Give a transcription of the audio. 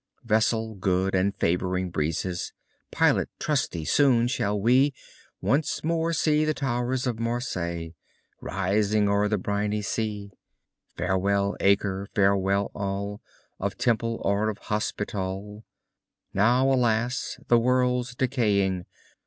Vessel good and favoring breezes, Pilot, trusty, soon shall we Once more see the towers of Marseilles Rising o'er the briny sea. Farewell, Acre, farewell, all. Of Temple or of Hospital: Now, alas! the world's decaying.